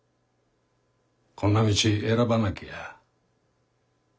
「こんな道選ばなけりゃ」。